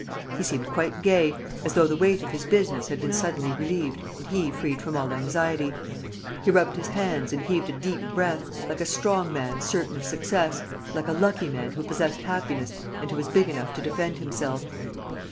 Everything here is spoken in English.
He seemed quite gay, as though the weight of his business had been suddenly relieved and he freed from all anxiety. He rubbed his hands and heaved a deep breath, like a strong man certain of success, like a lucky man who possessed happiness and who was big enough to defend himself.